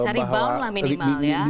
bisa rebound lah minimal ya